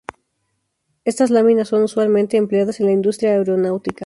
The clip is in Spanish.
Estas láminas son usualmente empleadas en la industria aeronáutica.